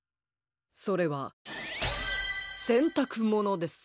それはせんたくものです。